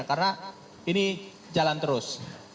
karena ini jalan terus